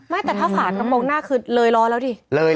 ไปมันดับทางทางรถเก่งนั้นคืนหนึ่งจะตกหน้า